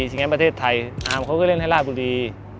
ฉะนั้นประเทศไทยอาร์มเขาก็เล่นให้ราชบุรี